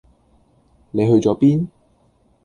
你去左邊？